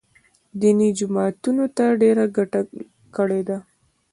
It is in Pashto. دیني جماعتونو ته ډېره ګټه کړې ده